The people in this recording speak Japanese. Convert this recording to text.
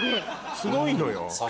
すごいのよ。